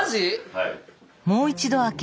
はい。